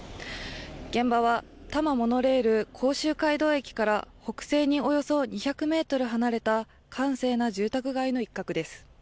現場は多摩モノレール甲州街道駅から北西におよそ２００ｍ離れた閑静な住宅街の一角です。